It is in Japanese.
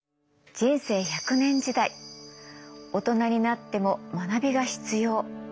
人生１００年時代大人になっても学びが必要。